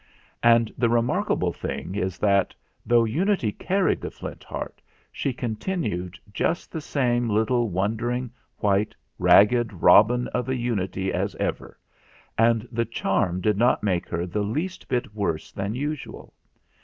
And the remarkable thing is that, though Unity carried the Flint Heart, she continued just the same little wondering, white, ragged robin of a Unity as ever; and the charm did not make her the least bit worse than usual.